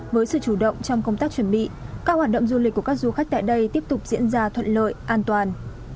với sự chủ động trong công tác chuẩn bị các hoạt động du lịch của các du khách tại đây tiếp tục diễn ra thuận lợi an toàn